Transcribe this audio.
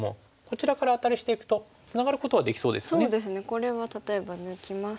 これは例えば抜きますと。